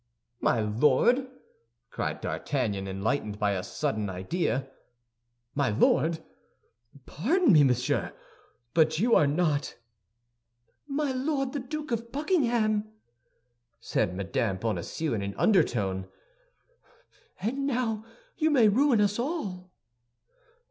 "My Lord!" cried D'Artagnan, enlightened by a sudden idea, "my Lord! Pardon me, monsieur, but you are not—" "My Lord the Duke of Buckingham," said Mme. Bonacieux, in an undertone; "and now you may ruin us all."